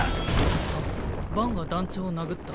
あっバンが団長を殴った。